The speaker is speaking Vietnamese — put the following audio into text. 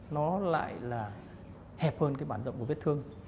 nó lại là hẹp hơn cái bản rộng của vết thương